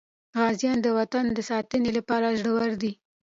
غازیان د وطن د ساتنې لپاره زړور دي.